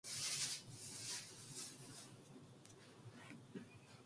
너는 그 말씀에 더하지 말라 그가 너를 책망하시겠고 너는 거짓말 하는 자가 될까 두려우니라